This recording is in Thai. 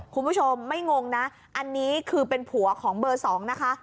คุณผู้ชมไม่งงนะอันนี้คือเป็นผัวของเบอร์๒นะคะ